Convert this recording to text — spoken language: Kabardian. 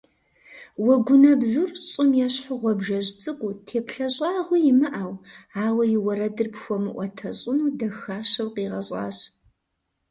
Уэгунэбзур щӏым ещхьу гъуабжэжь цӏыкӏуу, теплъэ щӏагъуи имыӏэу, ауэ и уэрэдыр пхуэмыӏуэтэщӏыну дахащэу къигъэщӏащ.